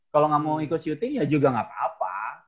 kalau gak mau ikut shooting ya juga gak apa apa